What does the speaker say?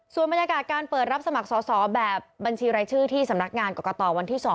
ส่วนบรรยากาศการเปิดรับสมัครสอสอแบบบัญชีรายชื่อที่สำนักงานกรกตวันที่๒